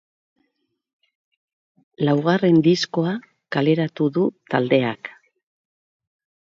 Laugarren diskoa kaleratuko du taldeak.